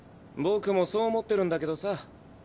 僕もそう思ってるんだけどさ